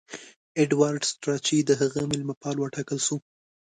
ایډوارډ سټراچي د هغه مېلمه پال وټاکل سو.